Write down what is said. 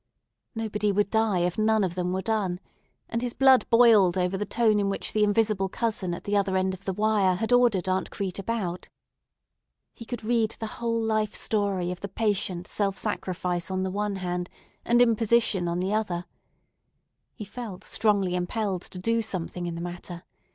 Nobody would die if none of them were done, and his blood boiled over the tone in which the invisible cousin at the other end of the wire had ordered Aunt Crete about. He could read the whole life story of the patient self sacrifice on the one hand and imposition on the other. He felt strongly impelled to do something in the matter.